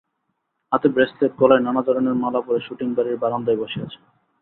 হাতে ব্রেসলেট, গলায় নানা ধরনের মালা পরে শুটিং বাড়ির বারান্দায় বসে আছেন।